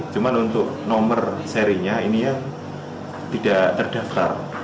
cuma untuk nomor serinya ini ya tidak terdaftar